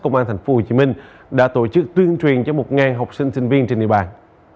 công an tp hcm đã tổ chức tuyên truyền cho một học sinh sinh viên trên địa bàn